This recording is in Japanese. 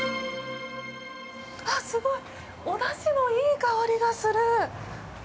すごい！おだしのいい香りがする。